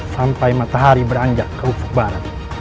sampai matahari beranjak ke ufuk barat